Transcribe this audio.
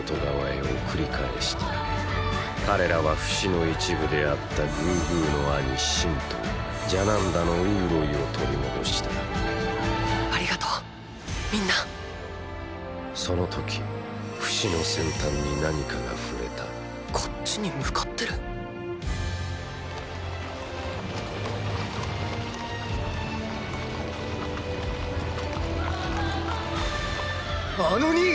彼らはフシの一部であったグーグーの兄シンとジャナンダのウーロイを取り戻したありがとうみんなその時フシの先端に何かが触れたこっちに向かってる⁉アノ兄ィ！！